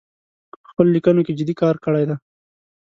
په خپلو لیکنو کې جدي کار کړی دی